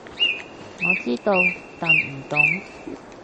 我知道，但唔懂